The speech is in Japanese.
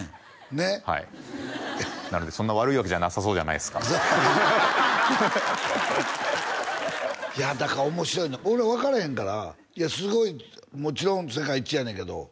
ねっはいなのでそんな悪いわけじゃなさそうじゃないですかいやだから面白い俺分からへんからすごいもちろん世界一やねんけど